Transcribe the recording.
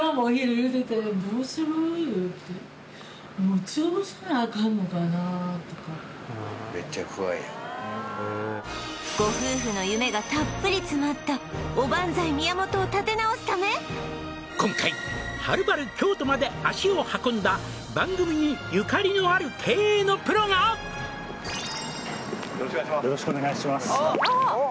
言うてとかご夫婦の夢がたっぷり詰まった今回はるばる京都まで足を運んだ番組にゆかりのある経営のプロがよろしくお願いします